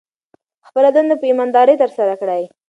خپله دنده په ایمانداري ترسره کړئ.